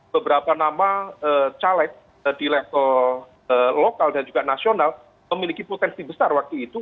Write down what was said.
beberapa nama caleg di level lokal dan juga nasional memiliki potensi besar waktu itu